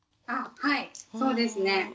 はいそうですね。